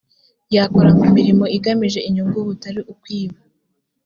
yakora mu mirimo igamije inyungu butari ukwiba